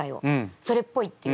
それっぽいっていう。